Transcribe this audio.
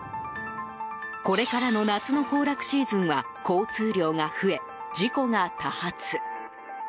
これからの夏の行楽シーズンは交通量が増え、事故が多発。